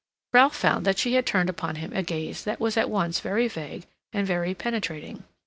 Ralph found that she had turned upon him a gaze that was at once very vague and very penetrating.